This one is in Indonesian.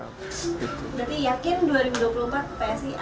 berarti yakin dua ribu dua puluh empat psi